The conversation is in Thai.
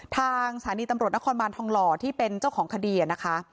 ทางสถานีตำรวจนครบานทองหล่อที่เป็นเจ้าของคดีนะคะ